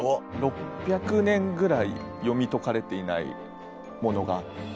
６００年ぐらい読み解かれていないものがあって。